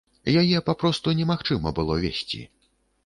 Яе папросту немагчыма было весці!